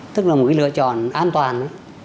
tức là một cái lựa chọn an toàn